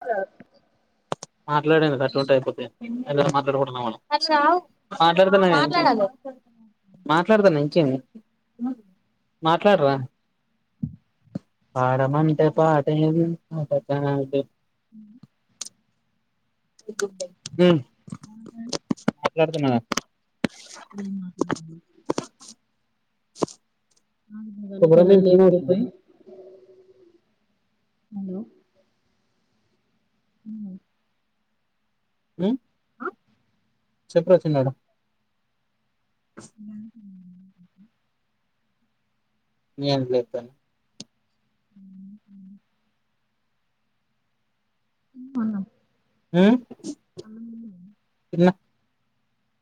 అ మాట్లాడండి [unintelligible] అయిపోతే ఏమైనా మాట్లాడుకున్నాం అని నాకు రావు మాట్లాడతలేవ్ ఏందీ మాట్లాడతాన్నవ్ ఇంకేంది మాట్లాడరా పాడమంటే పాడేది పాట కాదు హుమ్ మాట్లాడ్తున్నా గా ఏం మాట్లాడుకుందాం కొమరంభీం లేకపోయి చూడాల్సింది హలో హ్మ్ హ్మ్ చెప్పు రా చిన్నోడా హ్మ్ హ్మ్ నేన్ అందులో ఎత్తాన్ హ్మ్ మ్మ్ అవునా హ్మ్ తిన్న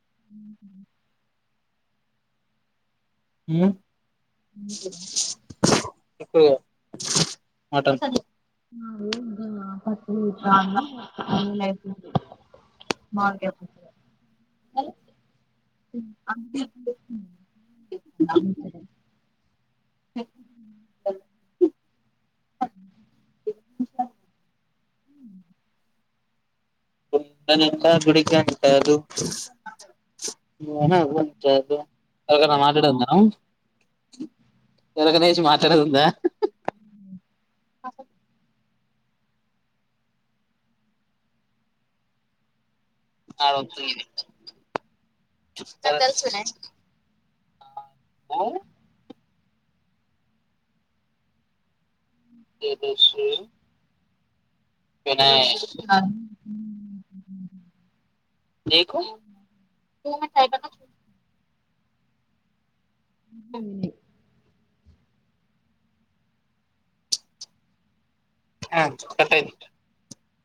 ఉహు హ్మ్ ఉహు [unintelligible] మటన్ మాది కూడా [unintelligible] [unintelligible] మావిడికాయ పచ్చడి గుండె నిండా గుడి గంటలు మోహ గుంటలు ఎవరికన్నా మాట్లాడేది మనం ఎవరికన్నా లేసి మాట్లాడేది ఉందా ఆడొద్దు ఇది వినయ్ నీకు ఆ కట్ నేనే అయింది